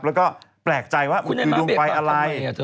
แล้วก็แปลกใจว่ามันคือดวงไฟอะไร